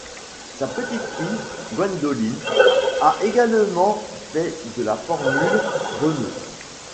Sa petite-fille, Gwendolyn, a également fait de la Formule Renault.